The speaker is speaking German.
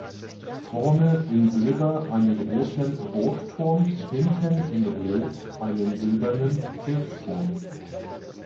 Vorne in Silber einen roten Burgturm, hinten in Rot einen silbernen Kirchturm.